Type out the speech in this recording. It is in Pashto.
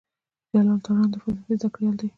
جلال تارڼ د فلسفې زده کړيال دی.